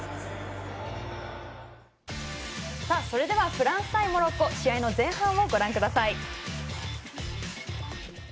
フランス対モロッコ試合前半ご覧ください。